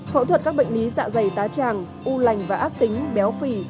phẫu thuật các bệnh lý dạ dày tá tràng u lành và ác tính béo phì